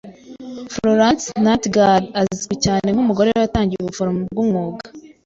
Florence Nightingale azwi cyane nkumugore watangiye ubuforomo bwumwuga.